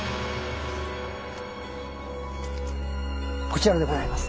こちらでございます。